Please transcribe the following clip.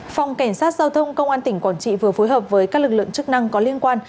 phòng cảnh sát giao thông công an tỉnh quảng trị vừa phối hợp với các lực lượng chức năng có liên quan